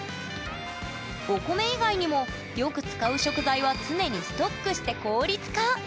お米以外にもよく使う食材は常にストックして効率化！